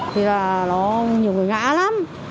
thì là nó nhiều người ngã lắm